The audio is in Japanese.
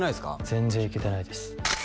全然行けてないです